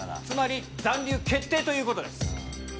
つまり残留決定ということです。